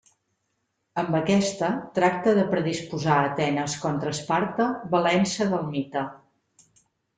Amb aquesta, tracta de predisposar Atenes contra Esparta valent-se del mite.